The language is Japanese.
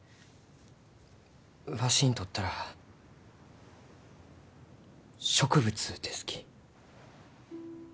わしにとったら植物ですき。